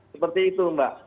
seperti itu mbak